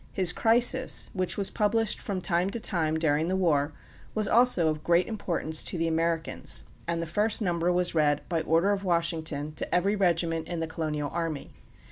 His "Crisis," which was published from time to time during the war, was also of great importance to the Americans, and the first number was read by order of Washington to every regiment in the colonial army.